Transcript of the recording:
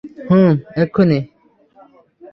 হুম, এক্ষুনি।